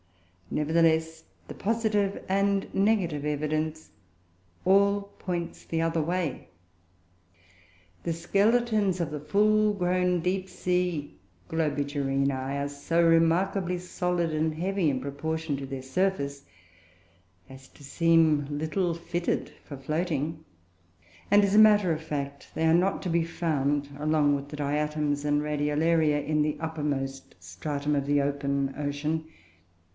Nevertheless, the positive and negative evidence all points the other way. The skeletons of the full grown, deep sea Globigerinoe are so remarkably solid and heavy in proportion to their surface as to seem little fitted for floating; and, as a matter of fact, they are not to be found along with the Diatoms and Radiolaria in the uppermost stratum of the open ocean.